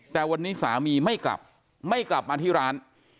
แต่วันนี้สามีไม่กลับไม่กลับมาที่ร้าน